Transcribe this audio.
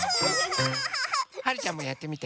はるちゃんもやってみて。